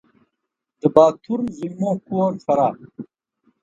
د باتور زلمو کور فراه